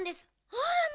あらま！